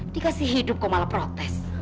dikasih hidup kau malah protes